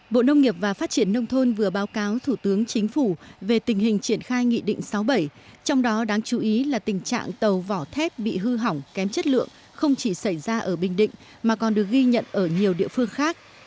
bộ nông nghiệp và phát triển nông thôn vừa báo cáo thủ tướng chính phủ về tình hình triển khai nghị định sáu bảy trong đó đáng chú ý là tình trạng tàu vỏ thép bị hư hỏng kém chất lượng không chỉ xảy ra ở bình định mà còn được ghi nhận ở nhiều địa phương khác